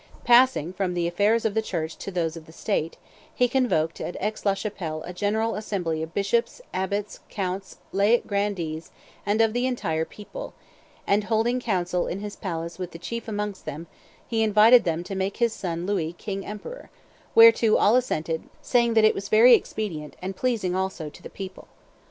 Passing from the affairs of the Church to those of the State, he convoked at Aix la Chapelle a general assembly of bishops, abbots, counts, laic grandees, and of the entire people, and, holding council in his palace with the chief amongst them, "he invited them to make his son Louis king emperor; whereto all assented, saying that it was very expedient, and pleasing, also, to the people.